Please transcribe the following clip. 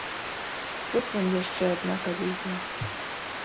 Вось вам яшчэ адна калізія.